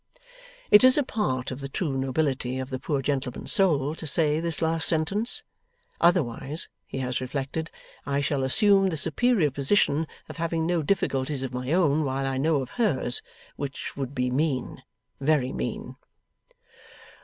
It is a part of the true nobility of the poor gentleman's soul to say this last sentence. 'Otherwise,' he has reflected, 'I shall assume the superior position of having no difficulties of my own, while I know of hers. Which would be mean, very mean.